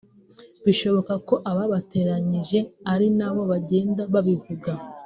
Bishoboka ko ababateranyije ari nabo bagenda babivuga)